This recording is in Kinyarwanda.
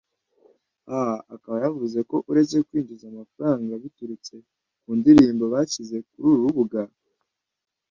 Aha akaba yavuze ko uretse kwinjiza amafaranga biturutse ku ndiribo bashyize kuri uru rubuga